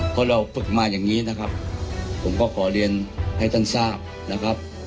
เพราะเราฝึกมาอย่างนี้นะครับผมก็ขอเรียนให้ท่านทราบนะครับ